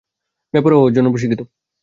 বেপরোয়া হওয়ার জন্য প্রশিক্ষিত।